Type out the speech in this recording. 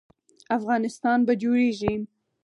افغانستان به جوړیږي